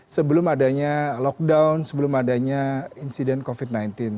sebelum adanya lockdown sebelum adanya insiden covid sembilan belas